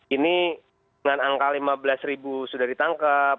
ini dengan angka lima belas ribu sudah ditangkap